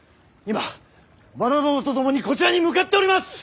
今和田殿と共にこちらに向かっております！